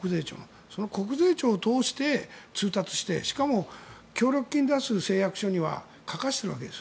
その国税庁を通して通達してしかも協力金を出す誓約書には書かせているわけです。